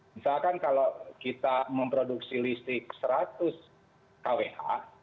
misalkan kalau kita memproduksi listrik seratus kwh